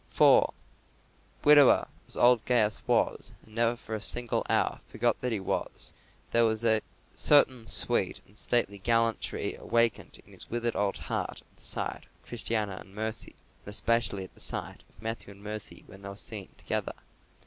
4. Widower as old Gaius was, and never for a single hour forgot that he was, there was a certain sweet and stately gallantry awakened in his withered old heart at the sight of Christiana and Mercy, and especially at the sight of Matthew and Mercy when they were seen together.